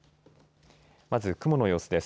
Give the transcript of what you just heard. まず雲の様子です。